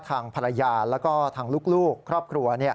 ทางภรรยาแล้วก็ทางลูกครอบครัว